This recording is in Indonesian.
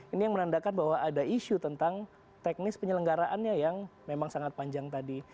ini yang menandakan bahwa ada isu tentang teknis penyelenggaraannya yang memang sangat panjang tadi